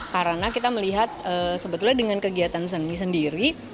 karena kita melihat sebetulnya dengan kegiatan seni sendiri